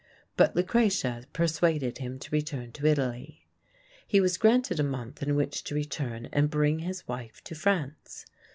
But Lucrezia persuaded him to return to Italy. He was granted a month in which to return and bring his wife to France.